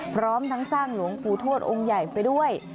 พร้อมทั้งสร้างหลวงปู่ทวดองค์ใหญ่ไปด้วย